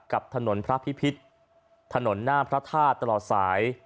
กับถนนพระพิพิษถนนหน้าพระธาตุตลอดสาย